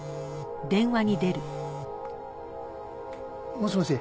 もしもし。